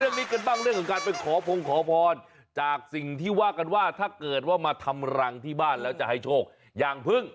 เรื่องนี้กันบ้างเรื่องของการไปขอพงขอพรจากสิ่งที่ว่ากันว่าถ้าเกิดว่ามาทำรังที่บ้านแล้วจะให้โชคอย่างพึ่ง